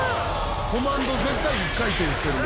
コマンド絶対一回転してるわ。